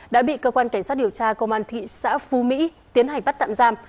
đã bị cơ quan cảnh sát điều tra công an thị xã phú mỹ tiến hành bắt tạm giam